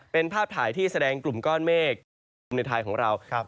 เป็นภาพถ่ายที่แสดงกลุ่มก้อนเมฆที่ปกคลุมในไทยของเรา